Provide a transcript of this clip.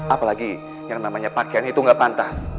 apalagi yang namanya pakaian itu nggak pantas